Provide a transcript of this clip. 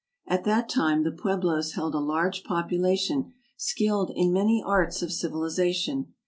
At that time the pueblos held a large population skilled in many arts of civilization.